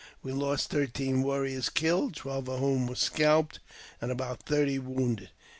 We lost thirteen warriors killed, twelve of whom were scalped, and about thirty wounded.